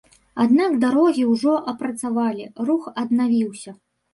Аднак дарогі ўжо апрацавалі, рух аднавіўся.